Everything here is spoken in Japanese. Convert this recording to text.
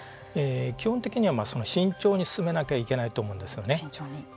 基本的には慎重に進めなきゃいけないと思うんですよね。